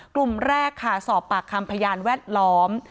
กลุ่มแรกค่ะสอบปากคำพยานแวดล้อม